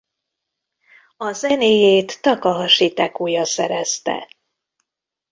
A zenéjét Takahasi Tecuja szerezte.